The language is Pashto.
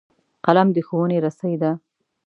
قلم د ښوونې رسۍ ده